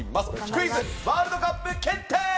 クイズワールドカップ検定！